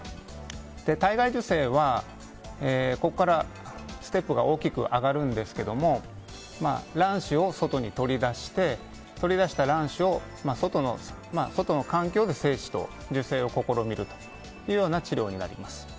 体外受精は、ここからステップが大きく上がるんですけど卵子を外に取り出して取り出した卵子を外の環境で精子と受精を試みる治療になります。